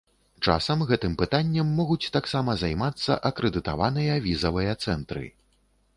Часам гэтым пытаннем могуць таксама займацца акрэдытаваныя візавыя цэнтры.